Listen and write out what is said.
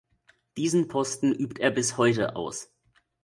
Diesen Posten übt er bis heute aus.